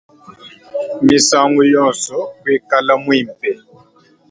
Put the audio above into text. Misangu yonso kuikala muimpe.